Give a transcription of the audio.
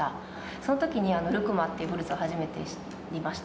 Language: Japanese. そのときに、ルクマっていうフルーツを初めて知りました。